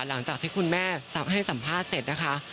หลังจากที่คุณแม่ให้สัมภาษณ์เสร็จนะคะ